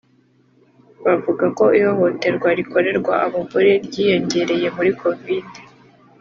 bavuga ko ihohoterwa rikorerwa abagore ryiyongereye muri covid